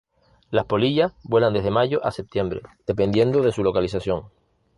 Las polillas vuelan desde mayo a septiembre, dependiendo de su localización.